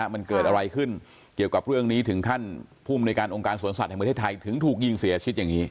มันเกิดอะไรขึ้นเกี่ยวกับเรื่องนี้ถึงขั้นภูมิในการองค์การสวนสัตว์แห่งประเทศไทยถึงถูกยิงเสียชีวิตอย่างนี้